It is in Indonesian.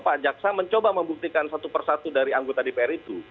pak jaksa mencoba membuktikan satu persatu dari anggota dpr itu